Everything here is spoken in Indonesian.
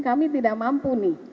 kami tidak mampu nih